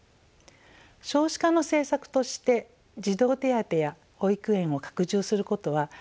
少子化の政策として児童手当や保育園を拡充することは大事なことです。